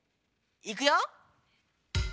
いくよ！